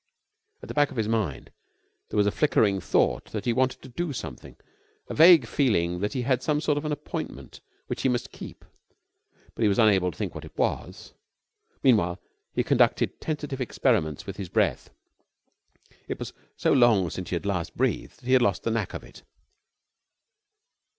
At the back of his mind there was a flickering thought that he wanted to do something, a vague feeling that he had some sort of an appointment which he must keep; but he was unable to think what it was. Meanwhile, he conducted tentative experiments with his breath. It was so long since he had last breathed that he had lost the knack of it.